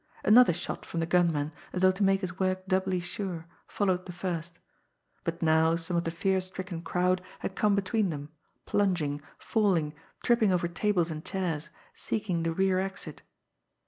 Another shot from the gunman, as though to make his work doubly sure, followed the first but now some of the fear stricken crowd had come between them, plunging, falling, tripping over tables and chairs, seeking the rear exit.